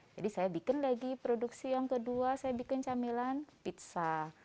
saya bikin lagi produksi yang kedua saya bikin camilan pizza